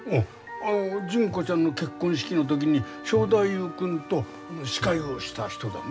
あ純子ちゃんの結婚式の時に正太夫君と司会をした人だね。